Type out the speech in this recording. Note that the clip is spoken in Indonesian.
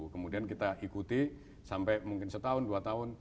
kemudian kita ikuti sampai mungkin setahun dua tahun